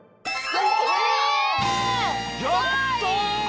やった！